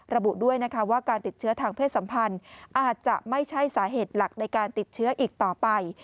ระบุด้วยนะคะว่าการติดเชื้อทางเพศสัมพันธ์อาจจะไม่ใช่สาเหตุหลักในการติดเชื้ออีกต่อไป